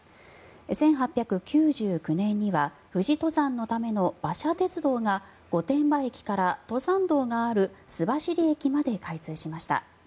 １８９９年には富士登山のための馬車鉄道が御殿場駅から登山道がある須走駅まで開通しました。